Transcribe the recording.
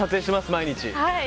毎日。